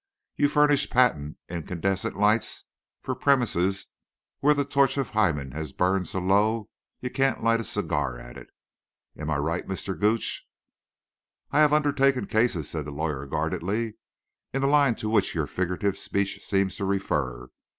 You furnish patent, incandescent lights for premises where the torch of Hymen has burned so low you can't light a cigar at it. Am I right, Mr. Gooch?" "I have undertaken cases," said the lawyer, guardedly, "in the line to which your figurative speech seems to refer.